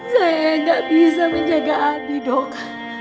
saya gak bisa menjaga abi dok